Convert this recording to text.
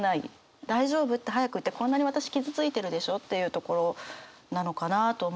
大丈夫？って早く言ってこんなに私傷ついてるでしょというところなのかなと思うので。